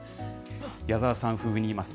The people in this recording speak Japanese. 矢沢さん風に言います。